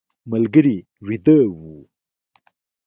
ملګري ویده و.